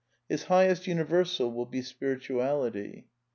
His highest universal V wll be Spirituality.